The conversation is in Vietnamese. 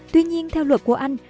tuy nhiên theo luật của anh